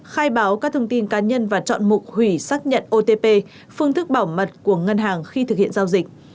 khai báo các thông tin cá nhân và chọn mục hủy xác nhận otp phương thức bảo mật của ngân hàng khi thực hiện giao dịch